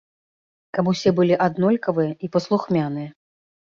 Каб усе былі аднолькавыя і паслухмяныя.